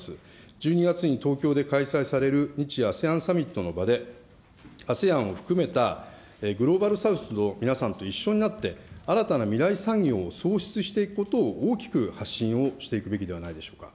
１２月に東京で開催される日・ＡＳＥＡＮサミットの場で、ＡＳＥＡＮを含めたグローバル・サウスの皆さんと一緒になって、新たな未来産業を創出していくことを大きく発信をしていくべきではないでしょうか。